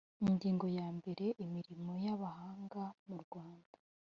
ingingo ya mbere imirimo y abahanga mu rwanda